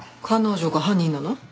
彼女が犯人なの？